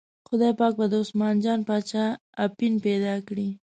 خدای پاک به د عثمان جان باچا اپین پیدا کړي.